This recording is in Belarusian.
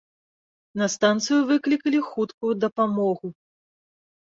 На станцыю выклікалі хуткую дапамогу.